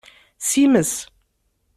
Simes.